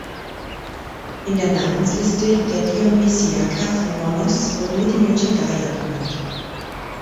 In der Namensliste der "Dionysiaka" von Nonnos wird nur die Mutter Gaia genannt.